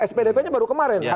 spdp nya baru kemarin